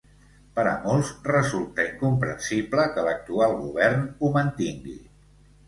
Per a molts resulta incomprensible que l’actual govern ho mantingui.